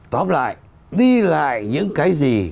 tóm lại đi lại những cái gì